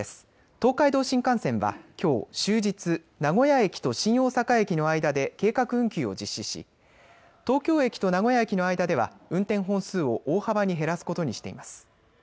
東海道新幹線はきょう終日、名古屋駅と新大阪駅の間で計画運休を実施し東京駅と名古屋駅の間では運転本数を大幅に減らすことにしています。